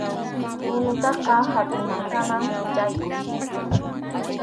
Unutaqa hatun mankaman hichʼaykuy.